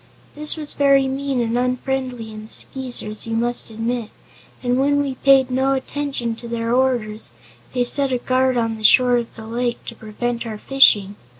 That was very mean and unfriendly in the Skeezers, you must admit, and when we paid no attention to their orders they set a guard on the shore of the lake to prevent our fishing.